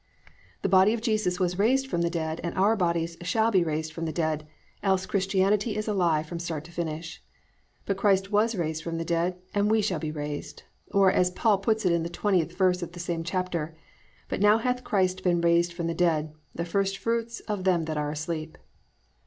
The body of Jesus was raised from the dead and our bodies shall be raised from the dead, else Christianity is a lie from start to finish. But Christ was raised from the dead and we shall be raised. Or, as Paul puts it in the 20th verse of this same chapter, "+But now hath Christ been raised from the dead, the first fruits of them that are asleep."